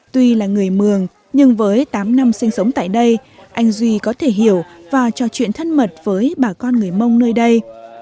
tuy là người mường nhưng với tám năm sinh sống tại đây anh duy có thể hiểu và trò chuyện thân mật với bà con người mông nơi đây